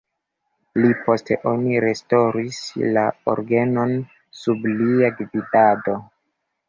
Pli poste oni restaŭris la orgenon sub lia gvidado.